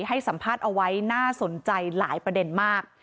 ให้สัมภาษณ์เอาไว้น่าสนใจหลายประเด็นมาก